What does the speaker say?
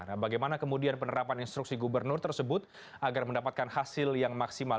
nah bagaimana kemudian penerapan instruksi gubernur tersebut agar mendapatkan hasil yang maksimal